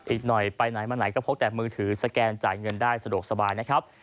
อีกหน่อยไปไหนมาไหนก็พกแต่มือถือสแกนจ่ายเงินได้สะดวกสบายนะครับ